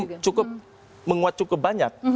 itu cukup menguat cukup banyak